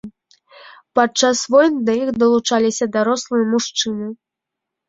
Падчас войн да іх далучаліся дарослыя мужчыны.